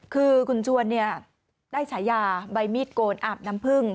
คือคุณชวนได้ฉายาใบมีดโกนอาบน้ำพึ่ง